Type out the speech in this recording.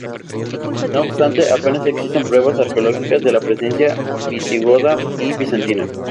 No obstante, apenas existen pruebas arqueológicas de la presencia visigoda y bizantina.